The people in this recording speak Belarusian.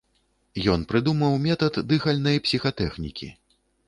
Ён прыдумаў метад дыхальнай псіхатэхнікі.